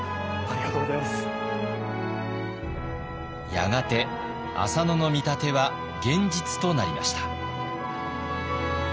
やがて浅野の見立ては現実となりました。